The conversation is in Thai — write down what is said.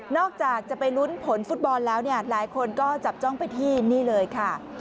จากจะไปลุ้นผลฟุตบอลแล้วเนี่ยหลายคนก็จับจ้องไปที่นี่เลยค่ะ